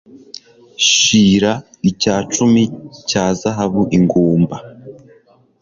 shira icya cumi cya zahabu ingumba